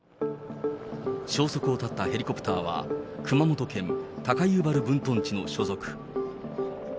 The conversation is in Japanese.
消息を絶ったヘリコプターは、熊本県高遊原分屯地の所属。